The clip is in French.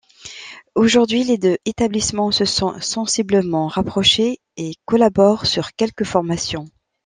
Aujourd'hui, les deux établissements se sont sensiblement rapprochés et collaborent sur quelques formations.